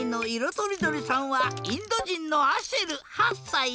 とりどりさんはインドじんのアシェル８さい。